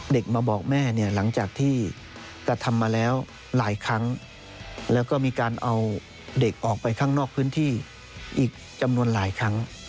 เด็กมาบอกแม่เนี่ยหลังจากที่กระทำมาแล้วหลายครั้งแล้วก็มีการเอาเด็กออกไปข้างนอกพื้นที่อีกจำนวนหลายครั้ง